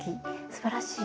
すばらしい！